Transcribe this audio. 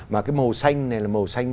mà cái màu xanh này là màu xanh